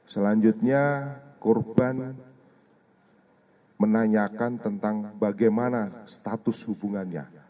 selanjutnya korban menanyakan tentang bagaimana status hubungannya